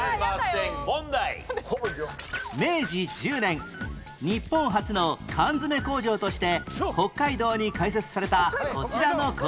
明治１０年日本初の缶詰工場として北海道に開設されたこちらの工場